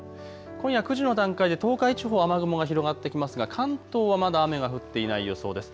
今夜９時の段階で東海地方、雨雲が広がってきますが関東はまだ雨が降っていない予想です。